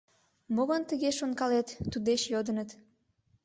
— Мо гыч тыге шонкалет? — туддеч йодыныт.